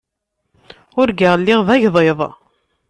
Urgaɣ lliɣ d agḍiḍ.